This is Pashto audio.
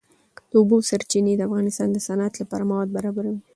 د اوبو سرچینې د افغانستان د صنعت لپاره مواد برابروي.